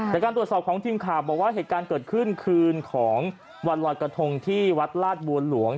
จากการตรวจสอบของทีมข่าวบอกว่าเหตุการณ์เกิดขึ้นคืนของวันลอยกระทงที่วัดลาดบัวหลวง